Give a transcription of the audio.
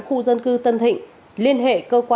khu dân cư tân thịnh liên hệ